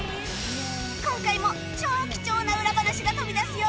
今回も超貴重な裏話が飛び出すよ！